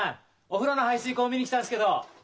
おふろの排水溝見にきたんですけど。